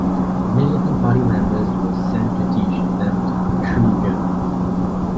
Militant party members were sent to teach them to be "true Germans".